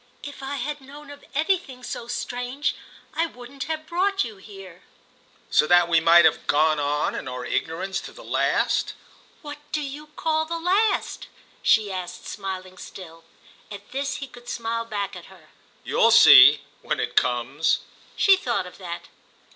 "If I had known of anything so strange I wouldn't have brought you here." "So that we might have gone on in our ignorance to the last?" "What do you call the last?" she asked, smiling still. At this he could smile back at her. "You'll see—when it comes." She thought of that.